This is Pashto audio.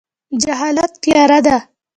جهالت تیاره ده